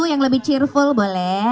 yang lebih cheerful boleh